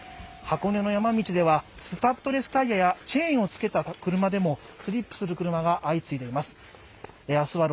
箱根の山道ではスタッドレスタイヤやチェーンをつけた車でもスリップする車が相次いでいます。